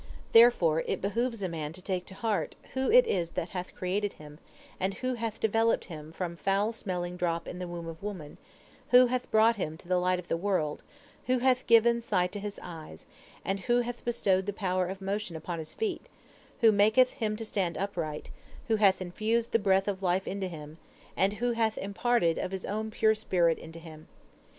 Therefore it behooves man to take to heart who it is that hath created him, and who hath developed him from a foul smelling drop in the womb of woman, who hath brought him to the light of the world, who hath given sight to his eyes, and who hath bestowed the power of motion upon his feet, who maketh him to stand upright, who hath infused the breath of life into him, and who hath imparted of His own pure spirit unto him.